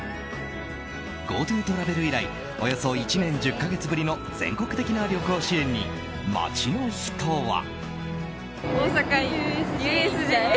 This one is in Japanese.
ＧｏＴｏトラベル以来およそ１年１０か月ぶりの全国的な旅行支援に街の人は。